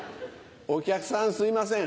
お客さんすいません